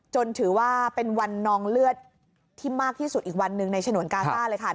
ถือว่าเป็นวันนองเลือดที่มากที่สุดอีกวันหนึ่งในฉนวนกาซ่าเลยค่ะ